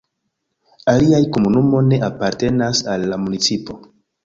Alia komunumo ne apartenas al la municipo.